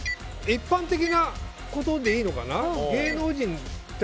一般的なことでいいのかな。